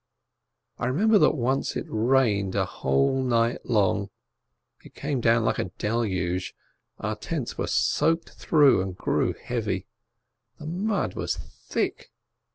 I remember that once it rained a whole night long, it came down like a deluge, our tents were soaked through, and grew heavy. The mud was thick.